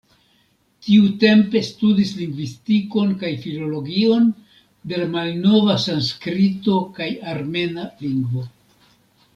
Tiutempe studis lingvistikon kaj filologion de la malnova sanskrito kaj armena lingvo.